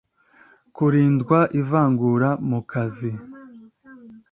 Kurindwa ivangura mu kazi